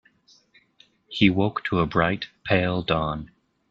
He woke to a bright, pale dawn.